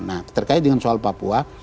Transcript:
nah terkait dengan soal papua